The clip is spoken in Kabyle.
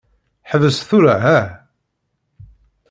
Ḥbes tura hah.